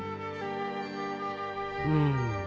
うん。